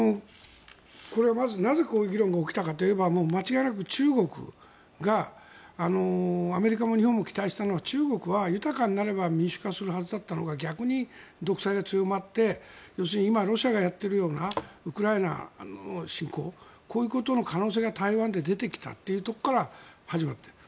これ、まずなぜこういう議論が起きたかっていえば間違いなく中国がアメリカも日本も期待したのは中国は豊かになれば民主化するはずだったのが逆に独裁が強まって今、ロシアがやっているようなウクライナの侵攻こういうことの可能性が台湾で出てきたというところから始まっている。